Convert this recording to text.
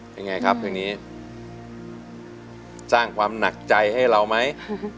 เป็นไงครับเพลงนี้สร้างความหนักใจให้เราไหม